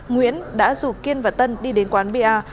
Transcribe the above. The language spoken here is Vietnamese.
nguyễn đã rủ kiên và tân đi đến quán bar